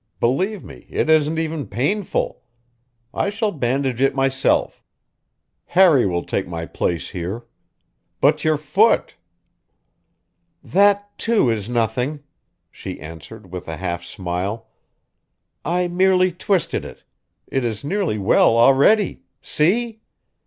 Believe me, it isn't even painful. I shall bandage it myself; Harry will take my place here. But your foot?" "That, too, is nothing," she answered with a half smile. "I merely twisted it; it is nearly well already. See!"